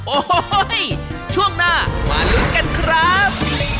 โอ้โหช่วงหน้ามาลุ้นกันครับ